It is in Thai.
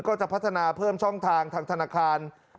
ก็จะพัฒนาเพิ่มช่องทางทางธนาคาร